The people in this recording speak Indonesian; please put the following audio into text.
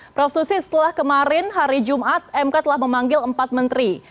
prof susi setelah kemarin hari jumat mk telah memanggil empat menteri